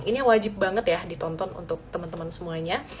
ini wajib banget ya ditonton untuk teman teman semuanya